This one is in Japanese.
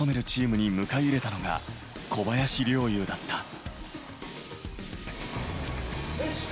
チームに迎え入れたのが小林陵侑だった。